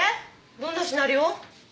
どんなシナリオ？